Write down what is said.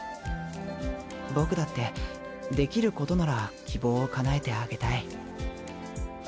僕だってできることなら希望をかなえてあげたい。